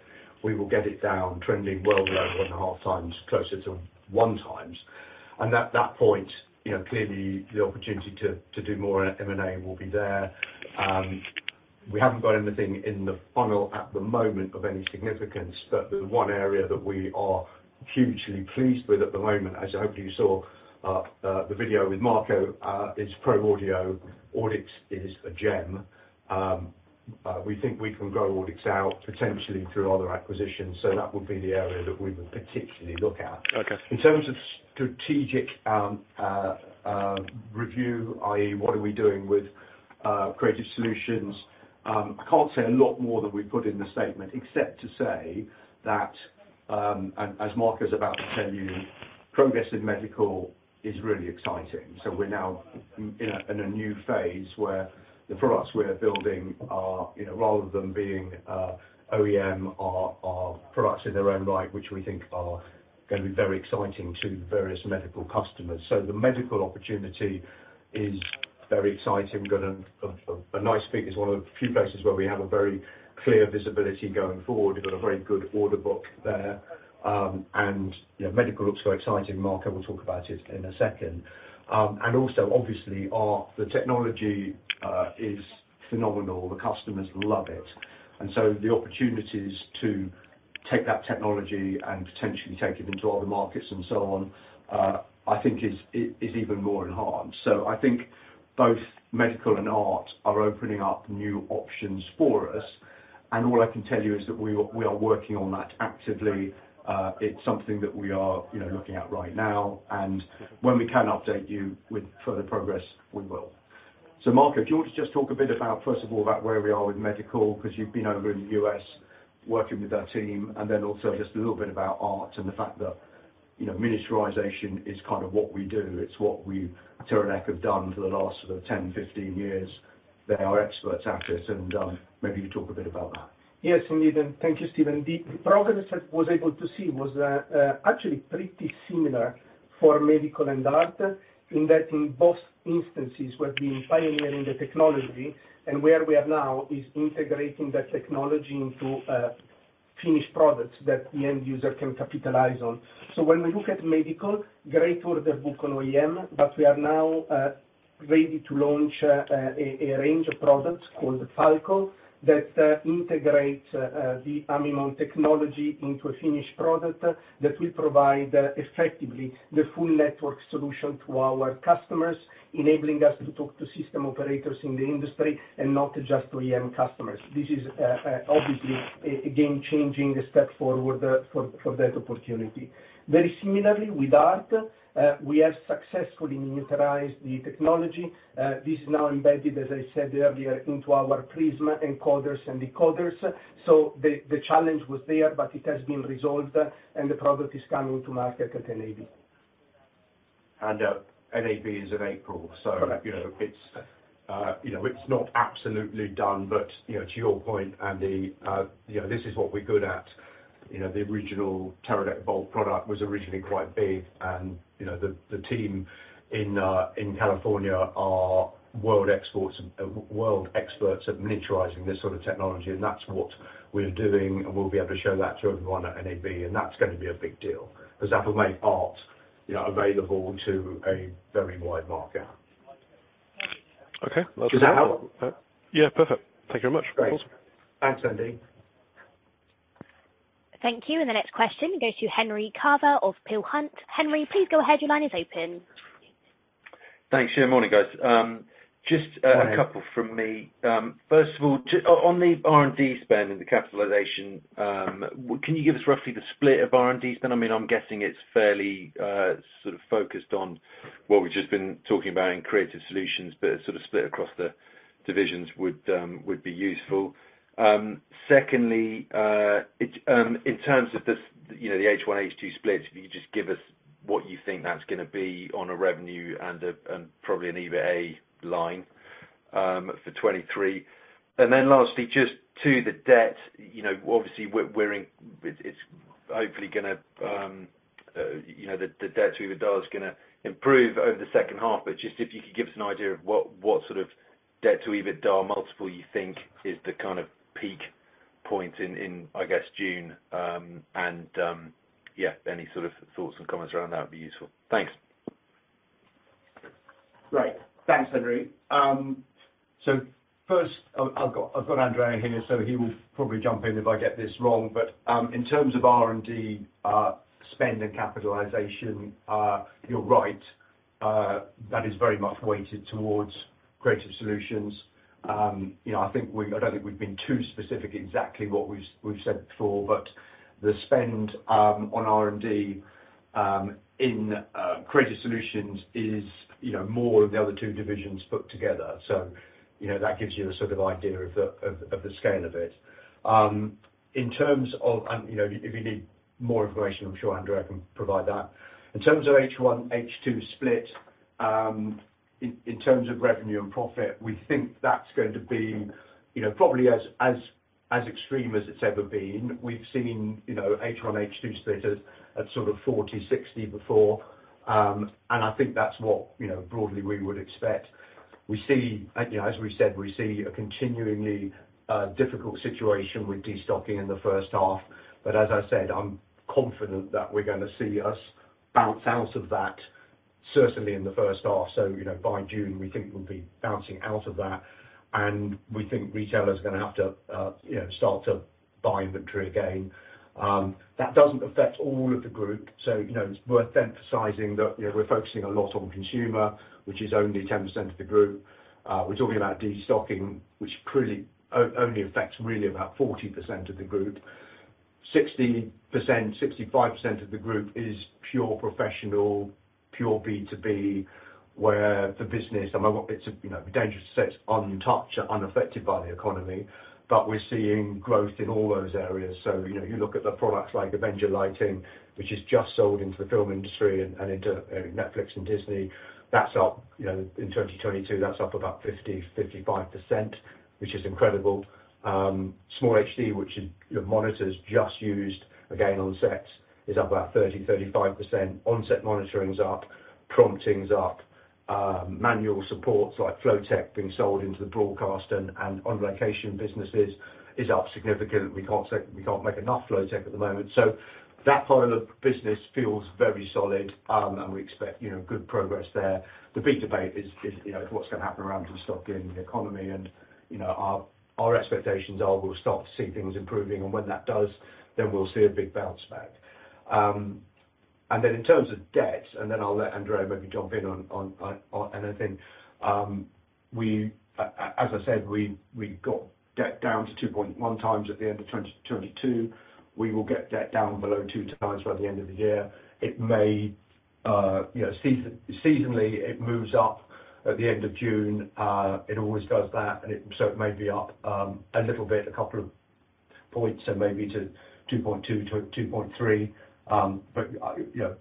we will get it down trending well below one and a half times, closer to one times. At that point, you know, clearly the opportunity to do more M&A will be there. We haven't got anything in the funnel at the moment of any significance, but the one area that we are hugely pleased with at the moment, as I hope you saw, the video with Marco, is Pro Audio. Audix is a gem. We think we can grow Audix out potentially through other acquisitions. That would be the area that we would particularly look at. Okay. In terms of strategic review, i.e., what are we doing with Creative Solutions? I can't say a lot more than we put in the statement, except to say that, as Marco's about to tell you, progress in medical is really exciting. We're now in a new phase where the products we're building are, you know, rather than being OEM are products in their own right, which we think are gonna be very exciting to various medical customers. The medical opportunity is very exciting. A nice figure. It's one of the few places where we have a very clear visibility going forward. We've got a very good order book there. You know, medical looks very exciting. Marco will talk about it in a second. And also, obviously, the technology is phenomenal. The customers love it. The opportunities to take that technology and potentially take it into other markets and so on, I think is even more enhanced. I think both medical and ART are opening up new options for us. And all I can tell you is that we are working on that actively. It's something that we are, you know, looking at right now, and when we can update you with further progress, we will. Marco, do you want to just talk a bit about, first of all, about where we are with medical, 'cause you've been over in the U.S. working with our team, and then also just a little bit about ART and the fact that, you know, miniaturization is kind of what we do. It's what we at Teradek have done for the last sort of 10, 15 years. They are experts at it, maybe you talk a bit about that. Yes, indeed. Thank you, Stephen. The progress I was able to see was actually pretty similar for medical and ART, in that in both instances we're pioneering the technology and where we are now is integrating the technology into finished products that the end user can capitalize on. When we look at medical, great order book on OEM, but we are now ready to launch a range of products called FALCON that integrate the Amimon technology into a finished product that will provide effectively the full network solution to our customers, enabling us to talk to system operators in the industry and not just OEM customers. This is obviously a game-changing step forward for that opportunity. Very similarly, with ART, we have successfully miniaturized the technology. This is now embedded, as I said earlier, into our Prism encoders and decoders. The challenge was there, but it has been resolved, and the product is coming to market at NAB. NAB is in April. Correct. You know, it's, you know, it's not absolutely done. You know, to your point, Andy, you know, this is what we're good at. The original Teradek Bolt product was originally quite big and, you know, the team in California are world experts at miniaturizing this sort of technology, and that's what we're doing, and we'll be able to show that to everyone at NAB, and that's gonna be a big deal. That will make ART, you know, available to a very wide market. Okay. Does that help? Yeah, perfect. Thank you very much. Great. Awesome. Thanks, Andy. Thank you. The next question goes to Henry Carver of Peel Hunt. Henry, please go ahead. Your line is open. Thanks. Yeah, morning, guys. just. Go ahead. A couple from me. First of all, on the R&D spend and the capitalization, can you give us roughly the split of R&D spend? I mean, I'm guessing it's fairly, sort of focused on what we've just been talking about in Creative Solutions, but sort of split across the divisions would be useful. Secondly, it, in terms of this, you know, the H1, H2 split, if you just give us. What you think that's gonna be on a revenue and a, and probably an EBITDA line for 2023. Lastly, just to the debt, you know, obviously we're in, it's hopefully gonna, you know, the debt to EBITDA is gonna improve over the H2. Just if you could give us an idea of what sort of debt to EBITDA multiple you think is the kind of peak point in, I guess June, and yeah, any sort of thoughts and comments around that would be useful. Thanks. Right. Thanks, Henry. First I've got Andrea here, so he will probably jump in if I get this wrong. In terms of R&D spend and capitalization, you're right. That is very much weighted towards Creative Solutions. You know, I don't think we've been too specific exactly what we've said before, but the spend on R&D in Creative Solutions is, you know, more of the other two divisions put together. You know, that gives you the sort of idea of the scale of it. In terms of, you know, if you need more information, I'm sure Andrea can provide that. In terms of H1, H2 split, in terms of revenue and profit, we think that's going to be, you know, probably as, as extreme as it's ever been. We've seen, you know, H1, H2 splits as at sort of 40, 60 before. I think that's what, you know, broadly we would expect. You know, as we said, we see a continuingly difficult situation with destocking in the H1, but as I said, I'm confident that we're gonna see us bounce out of that, certainly in the H1. You know, by June, we think we'll be bouncing out of that, and we think retailers are gonna have to, you know, start to buy inventory again. That doesn't affect all of the group. You know, it's worth emphasizing that, you know, we're focusing a lot on consumer, which is only 10% of the group. We're talking about destocking, which clearly only affects really about 40% of the group. 60%, 65% of the group is pure professional, pure B2B, where the business, I mean, it's, you know, dangerous to say it's untouched or unaffected by the economy, but we're seeing growth in all those areas. You know, you look at the products like Avenger Lighting, which has just sold into the film industry and into, you know, Netflix and Disney. That's up, you know, in 2022, that's up about 50%-55%, which is incredible. SmallHD, which is, you know, monitors just used again on sets, is up about 30%-35%. Onset monitoring is up. Prompting is up. Manual supports like flowtech being sold into the broadcast and on location businesses is up significantly. We can't make enough flowtech at the moment. That part of the business feels very solid, and we expect, you know, good progress there. The big debate is, you know, what's gonna happen around destocking and the economy and, you know, our expectations are we'll start to see things improving. When that does, then we'll see a big bounce back. In terms of debt, and then I'll let Andrea maybe jump in on anything. As I said, we got debt down to 2.1x at the end of 2022. We will get debt down below two times by the end of the year. It may, you know, season-seasonally, it moves up at the end of June. It always does that, so it may be up a little bit, a couple of points and maybe to 2.2%-2.3%. You know,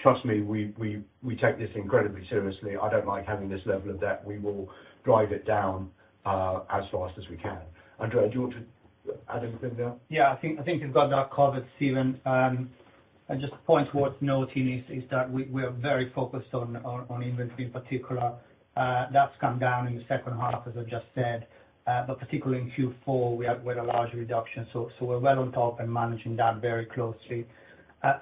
trust me, we take this incredibly seriously. I don't like having this level of debt. We will drive it down as fast as we can. Andrea, do you want to add anything there? Yeah, I think you've got that covered, Stephen. Just to point worth noting is that we're very focused on inventory in particular. That's come down in the H2, as I just said. Particularly in Q4 we had quite a large reduction. We're well on top and managing that very closely.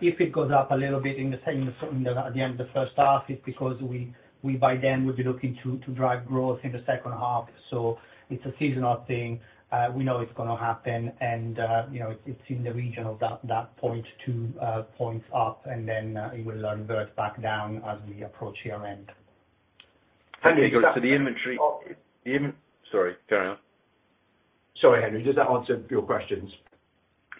If it goes up a little bit in the same, in the, at the end of the H1, it's because we by then will be looking to drive growth in the H2. It's a seasonal thing. We know it's gonna happen and, you know, it's in the region of that point to points up and then it will revert back down as we approach year-end. Just to the inventory. Oh. Sorry. Carry on. Sorry, Henry. Does that answer your questions?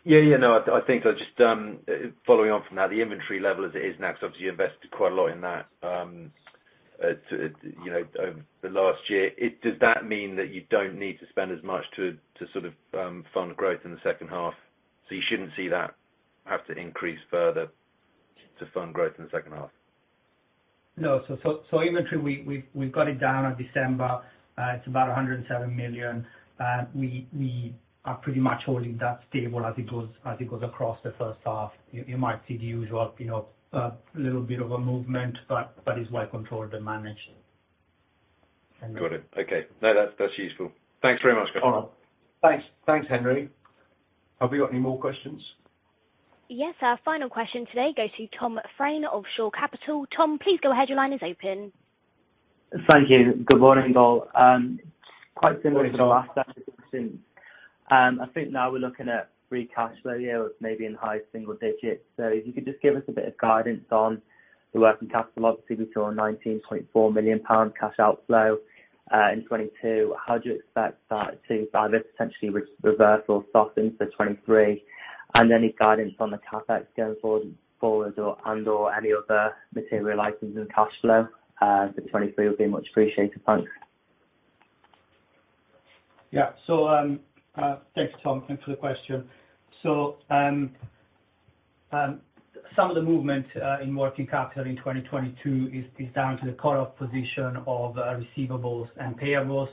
Yeah. Yeah, no. I think I just, following on from that, the inventory level as it is now, because obviously you invested quite a lot in that, to, you know, the last year. Does that mean that you don't need to spend as much to sort of, fund growth in the H2? You shouldn't see that have to increase further to fund growth in the H2? No. Inventory, we've got it down in December. It's about 107 million. We are pretty much holding that stable as it goes, as it goes across the H1. You might see the usual, you know, little bit of a movement, but that is well controlled and managed. Got it. Okay. No, that's useful. Thanks very much. No problem. Thanks. Thanks, Henry. Have we got any more questions? Yes. Our final question today goes to Tom Fraine of Shore Capital. Tom, please go ahead. Your line is open. Thank you. Good morning, all. Quite similar to the last set of questions. I think now we're looking at free cash flow here, it's maybe in high single digits. If you could just give us a bit of guidance on the working capital. Obviously we saw a 19.4 million pound cash outflow in 2022. How do you expect that to either potentially reverse or soften for 2023? Any guidance on the CapEx going forward, and/or any other material items in cash flow for 2023 would be much appreciated. Thanks. Thanks, Tom. Thanks for the question. Some of the movement in working capital in 2022 is down to the cut-off position of receivables and payables.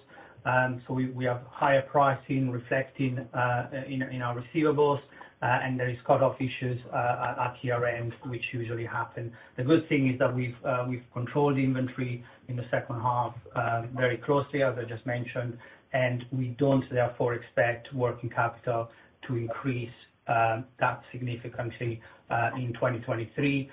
We have higher pricing reflecting in our receivables, and there is cut-off issues at year-end which usually happen. The good thing is that we've controlled inventory in the H2 very closely, as I just mentioned, and we don't therefore expect working capital to increase that significantly in 2023.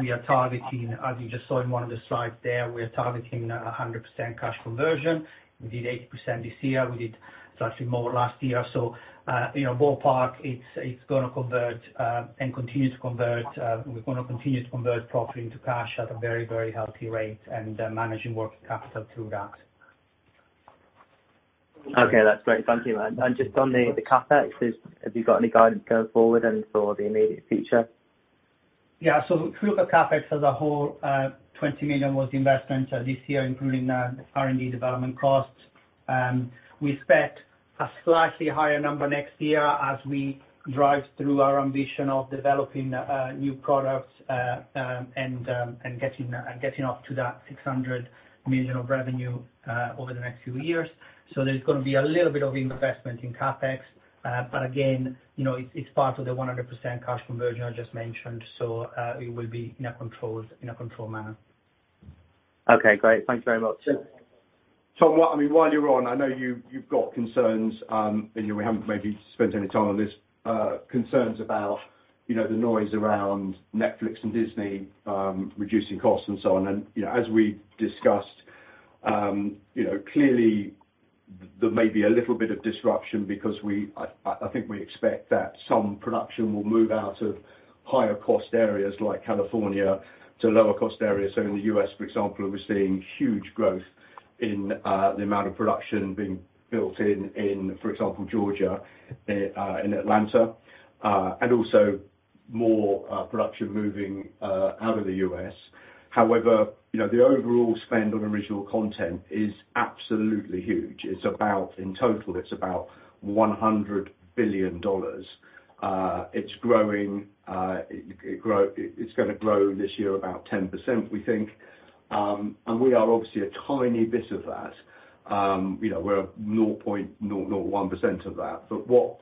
We are targeting, as you just saw in one of the slides there, we are targeting 100% cash conversion. We did 80% this year. We did slightly more last year. You know, ballpark, it's gonna convert and continue to convert. We're gonna continue to convert properly into cash at a very, very healthy rate and managing working capital through that. Okay. That's great. Thank you. Just on the CapEx, have you got any guidance going forward and for the immediate future? Yeah. If you look at CapEx as a whole, 20 million was investment, this year including the R&D development costs. We expect a slightly higher number next year as we drive through our ambition of developing new products, and getting up to that 600 million of revenue over the next few years. There's gonna be a little bit of investment in CapEx, but again, you know, it's part of the 100% cash conversion I just mentioned. It will be in a controlled manner. Okay, great. Thank you very much. Tom, I mean, while you're on, I know you've got concerns, and we haven't maybe spent any time on this, concerns about, you know, the noise around Netflix and Disney, reducing costs and so on. You know, as we discussed, you know, clearly there may be a little bit of disruption because I think we expect that some production will move out of higher cost areas like California to lower cost areas. In the U.S., for example, we're seeing huge growth in the amount of production being built in, for example, Georgia, in Atlanta, and also more production moving out of the U.S. However, you know, the overall spend on original content is absolutely huge. In total, it's about $100 billion. It's growing. It's gonna grow this year about 10%, we think. We are obviously a tiny bit of that. you know, we're 0.001% of that. What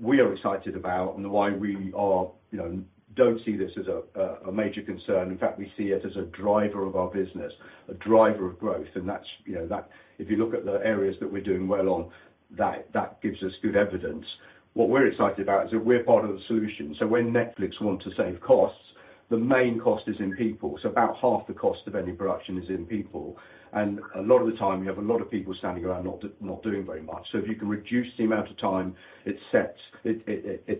we are excited about and why we are, you know, don't see this as a major concern, in fact we see it as a driver of our business, a driver of growth, and that's, you know, that. If you look at the areas that we're doing well on, that gives us good evidence. What we're excited about is that we're part of the solution. When Netflix want to save costs, the main cost is in people. About half the cost of any production is in people. A lot of the time you have a lot of people standing around not doing very much. If you can reduce the amount of time it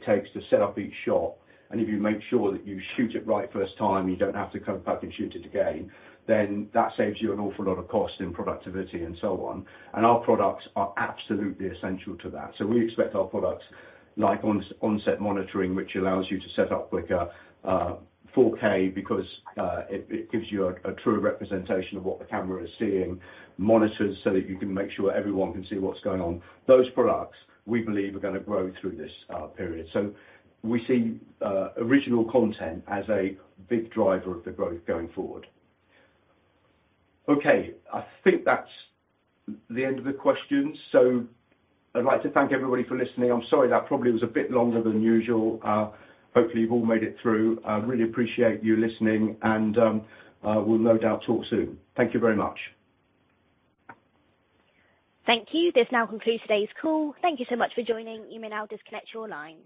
takes to set up each shot, and if you make sure that you shoot it right first time and you don't have to come back and shoot it again, then that saves you an awful lot of cost in productivity and so on. Our products are absolutely essential to that. We expect our products like on-set monitoring, which allows you to set up quicker, 4K because it gives you a true representation of what the camera is seeing, monitors so that you can make sure everyone can see what's going on. Those products, we believe are gonna grow through this period. We see original content as a big driver of the growth going forward. I think that's the end of the questions. I'd like to thank everybody for listening. I'm sorry that probably was a bit longer than usual. Hopefully you've all made it through. I really appreciate you listening and we'll no doubt talk soon. Thank you very much. Thank you. This now concludes today's call. Thank you so much for joining. You may now disconnect your lines.